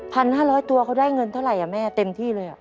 ห้าร้อยตัวเขาได้เงินเท่าไหร่อ่ะแม่เต็มที่เลยอ่ะ